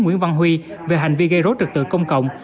nguyễn văn huy về hành vi gây rối trực tự công cộng